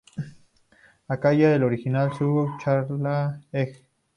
Ayaka y el original Shugo Chara Egg!